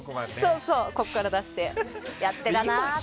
ここから出してやってたなって。